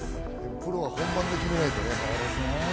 プロは本番で決めないとね。